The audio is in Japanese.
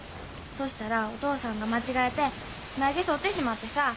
そしたらお父さんが間違えてまゆ毛そってしまってさぁ。